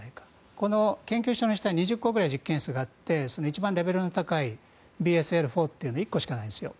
この研究所の下に２０個ぐらい実験室があって一番レベルの高いＢＳＬ４というのは１個しかないんですよ。